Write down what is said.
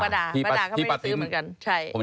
ป้าดาก็ไม่ได้ซื้อเหมือนกันใช่